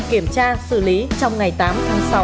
kiểm tra xử lý trong ngày tám tháng sáu